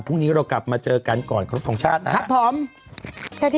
พรุ่งนี้เรากลับมาเจอกันก่อนครบทรงชาตินะครับ